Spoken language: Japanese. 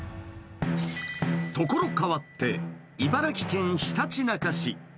所変わって、茨城県ひたちなか市。